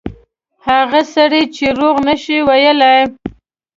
هغه سړی چې دروغ نه شي ویلای.